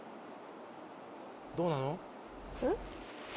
どうなの？